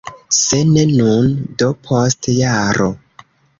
Se ne nun, do post jaro.